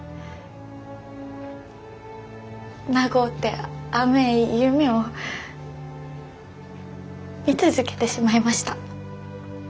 長うて甘え夢を見続けてしまいました。